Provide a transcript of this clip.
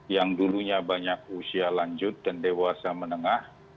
yang dulunya banyak usia lanjut dan dewasa menengah